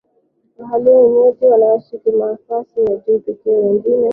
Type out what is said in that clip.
ilhali wenyeji wanashika nafasi ya juu pekee wengine